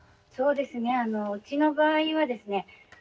そうですねうちの場合はですね